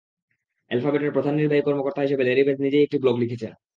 অ্যালফাবেটের প্রধান নির্বাহী কর্মকর্তা হিসেবে ল্যারি পেজ নিজেই একটি ব্লগ লিখেছেন।